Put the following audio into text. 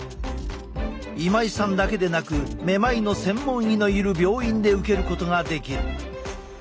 今井さんだけでなくめまいの専門医のいる病院で受けることができる。